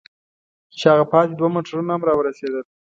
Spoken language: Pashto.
چې هغه پاتې دوه موټرونه هم را ورسېدل.